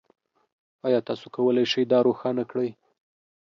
ایا تاسو کولی شئ دا روښانه کړئ؟